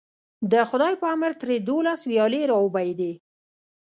د خدای په امر ترې دولس ویالې راوبهېدې.